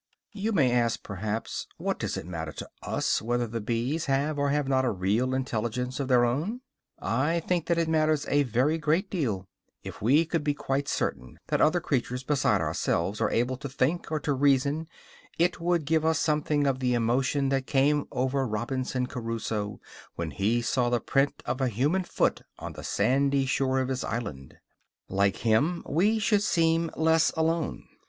You may ask, perhaps, what does it matter to us whether the bees have or have not a real intelligence of their own? I think that it matters a very great deal. If we could be quite certain that other creatures beside ourselves are able to think or to reason it would give us something of the emotion that came over Robinson Crusoe when he saw the print of a human foot on the sandy shore of his island. Like him, we should seem less alone.